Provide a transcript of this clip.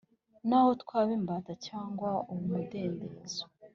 naho twaba imbata cyangwa ab'umudendezo.